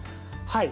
はい。